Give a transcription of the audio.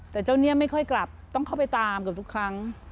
แต่เจ้าเนี่ยไม่ค่อยกลับต้องเข้าไปตามเกือบทุกครั้ง